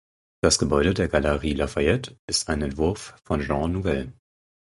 Das Gebäude der Galeries Lafayette ist ein Entwurf von Jean Nouvel.